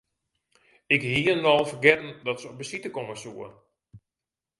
Ik hie hielendal fergetten dat se op besite komme soe.